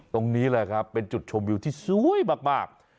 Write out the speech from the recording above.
ตรงนี้แหละครับเป็นจุดชมวิวที่สวยมาก